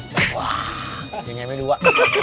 ว้าวยังไงไม่รู้ว่ะ